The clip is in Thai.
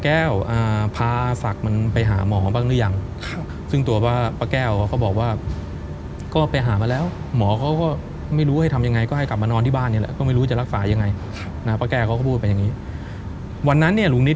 แก้วพาศักดิ์มันไปหาหมอของปะแก้วหรือยัง